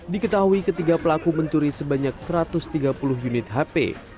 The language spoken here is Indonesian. diketahui ketiga pelaku mencuri sebanyak satu ratus tiga puluh unit hp